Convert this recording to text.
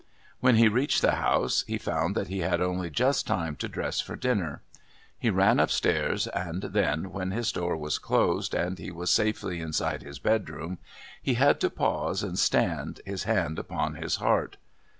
When he reached the house he found that he had only just time to dress for dinner. He ran upstairs, and then, when his door was closed and he was safely inside his bedroom, he had to pause and stand, his hand upon his heart.